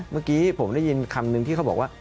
เมื่อกี้ผมได้ยินคำนึงที่เขาบอกว่า